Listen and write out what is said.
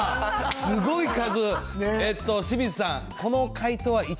すごい数。